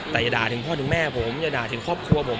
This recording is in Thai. แต่อย่าด่าถึงพ่อถึงแม่ผมอย่าด่าถึงครอบครัวผม